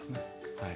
はい。